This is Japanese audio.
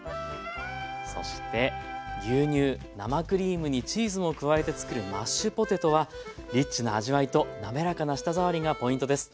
そして牛乳生クリームにチーズも加えてつくるマッシュポテトはリッチな味わいと滑らかな舌触りがポイントです。